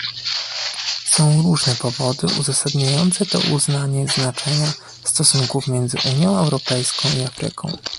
Są różne powody uzasadniające to uznanie znaczenia stosunków między Unią Europejską i Afryką